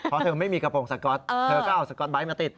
เพราะเธอไม่มีกระโปรงสก๊อตเธอก็เอาสก๊อตไบท์มาติด